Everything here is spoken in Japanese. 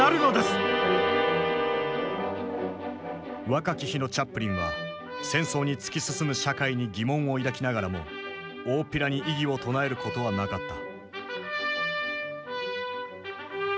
若き日のチャップリンは戦争に突き進む社会に疑問を抱きながらもおおっぴらに異議を唱えることはなかった。